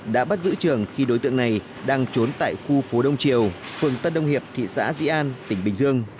đã bắt giữ trường khi đối tượng này đang trốn tại khu phố đông triều phường tân đông hiệp thị xã dĩ an tỉnh bình dương